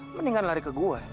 mendingan lari ke gue